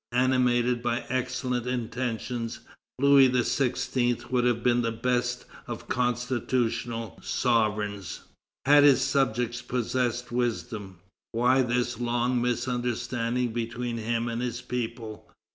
Animated by excellent intentions, Louis XVI. would have been the best of constitutional sovereigns, had his subjects possessed wisdom. Why this long misunderstanding between him and his people?